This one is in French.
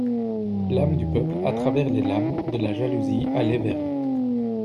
L'âme du peuple, à travers les lames de la jalousie, allait vers eux.